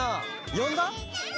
よんだ！